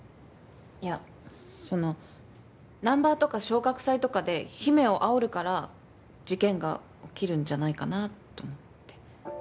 いやそのナンバーとか昇格祭とかで姫をあおるから事件が起きるんじゃないかなと思って。